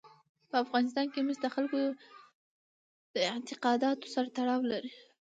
په افغانستان کې مس د خلکو د اعتقاداتو سره تړاو لري.